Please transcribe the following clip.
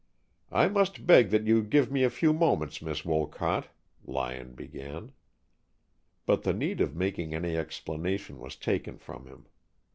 "I must beg that you give me a few moments, Miss Wolcott," Lyon began. But the need of making any explanation was taken from him.